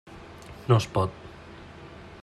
No es pot.